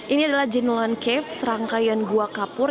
ini adalah genelon caves rangkaian gua kapur